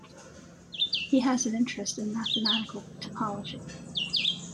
He has an interest in mathematical topology.